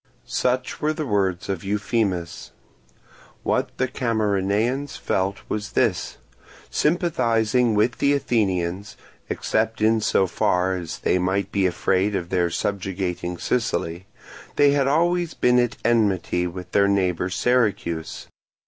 Such were the words of Euphemus. What the Camarinaeans felt was this. Sympathizing with the Athenians, except in so far as they might be afraid of their subjugating Sicily, they had always been at enmity with their neighbour Syracuse.